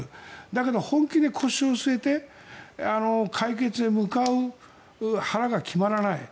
だけど本気で腰を据えて解決へ向かう腹が決まらない。